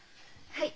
はい。